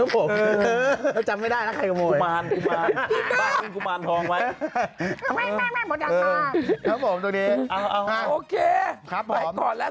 ไปก่อนแล้วสวัสดีครับ